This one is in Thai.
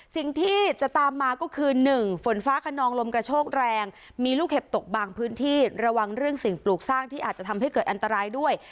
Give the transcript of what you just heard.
สิ่งที่จะตามมาก็คือ๑ฝนฟ้าขนองลมกระโชกแรงมีลูกเห็บตกบางพื้นที่ระวังเรื่องสิ่งปลูกสร้างที่อาจจะทำให้เกิดอันตรายด้วย